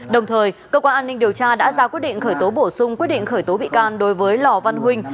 đồng thời cơ quan an ninh điều tra đã ra quyết định khởi tố bổ sung quyết định khởi tố bị can đối với lò văn huynh